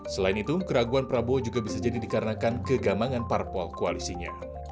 selain itu keraguan prabowo juga bisa jadi dikarenakan kegamangan parpol koalisinya